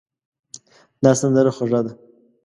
دا سندره خوږه ده.